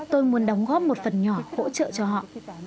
tôi muốn đóng góp một phần nhỏ hỗ trợ cho họ